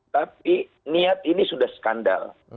tapi niat ini sudah skandal